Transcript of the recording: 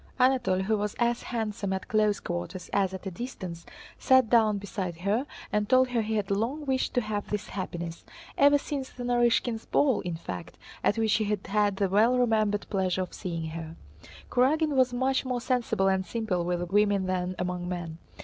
Anatole, who was as handsome at close quarters as at a distance, sat down beside her and told her he had long wished to have this happiness—ever since the Narýshkins' ball in fact, at which he had had the well remembered pleasure of seeing her. Kurágin was much more sensible and simple with women than among men.